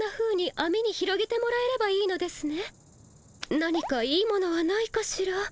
何かいいものはないかしら。